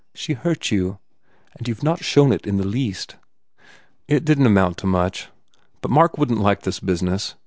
She hurt you. And you ve not shown it in the least." "It didn t amount to much. But, Mark wouldn t like this business.